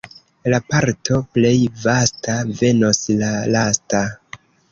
La parto plej vasta venos la lasta.